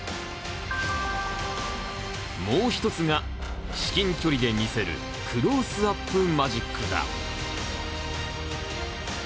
もう一つが至近距離で見せるクロースアップマジックだ。